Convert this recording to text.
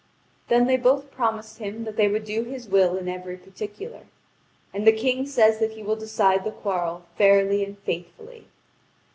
Then they both promised him that they would do his will in every particular. And the King says that he will decide the quarrel fairly and faithfully.